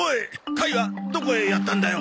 貝はどこへやったんだよ？